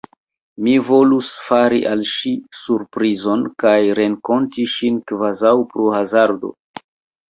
Mi volus fari al ŝi surprizon, kaj renkonti ŝin kvazaŭ pro hazardo.